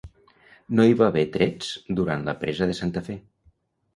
No hi va haver trets durant la presa de Santa Fe.